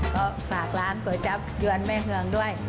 ก็ฝากร้านก๋วยจับยวนแม่เฮืองด้วย